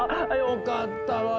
よかったわね。